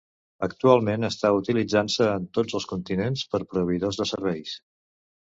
Actualment està utilitzant-se en tots els continents per proveïdors de serveis.